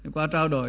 qua trao đổi